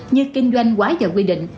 như kinh doanh quá dở quy định